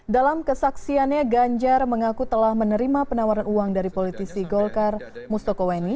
dalam kesaksiannya ganjar mengaku telah menerima penawaran uang dari politisi golkar mustokoweni